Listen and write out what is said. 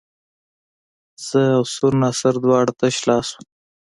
زه او سور ناصر دواړه تش لاس وو.